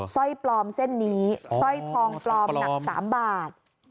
สร้อยปลอมเส้นนี้สร้อยทองปลอมหนัก๓บาท